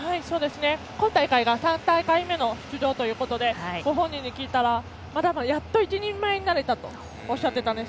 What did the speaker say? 今大会が３大会目の出場ということでご本人に聞いたらやっと１人前になれたとおっしゃっていたんです。